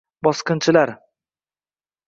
Bosqinchilar